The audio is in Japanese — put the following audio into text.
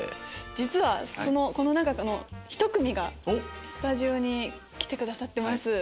実はこの中のひと組がスタジオに来てくださってます。